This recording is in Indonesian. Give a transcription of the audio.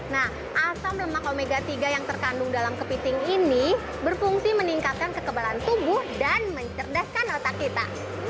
nah asam lemak omega tiga yang terkandung dalam kepiting ini berfungsi meningkatkan kekebalan tubuh dan mencerdaskan otak kita